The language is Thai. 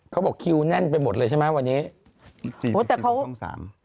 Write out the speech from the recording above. จริงฟรรีเปี่ยนช่อง๓